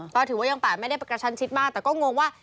ก็ถือว่ายังป่าไม่ได้กระชันชิดมากแต่ก็งงว่า